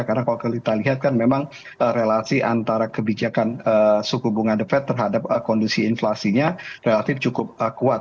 karena kalau kita lihat kan memang relasi antara kebijakan suku bunga the fed terhadap kondisi inflasinya relatif cukup kuat